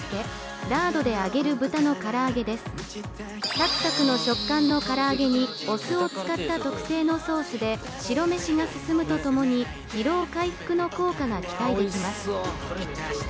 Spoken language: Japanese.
サクサクの食感の唐揚げにお酢を使った特製のソースで白飯が進むとともに、疲労回復の効果が期待できます。